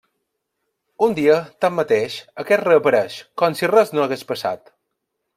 Un dia, tanmateix, aquest reapareix, com si res no hagués passat.